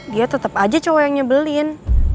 dia tetep aja cowok yang nyebelin